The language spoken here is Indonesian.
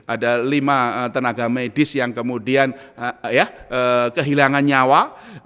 ada lima tenaga medis yang kemudian kehilangan nyawa